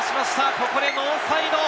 ここでノーサイド。